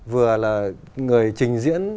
vừa là người trình diễn